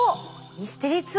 ミステリーツアー。